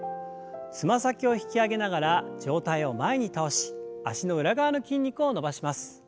つま先を引き上げながら上体を前に倒し脚の裏側の筋肉を伸ばします。